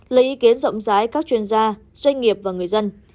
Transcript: lấy ý kiến rộng rãi các chuyên gia doanh nghiệp và người dân